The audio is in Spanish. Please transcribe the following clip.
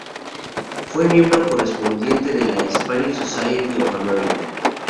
Fue miembro Correspondiente de la Hispanic Society of America.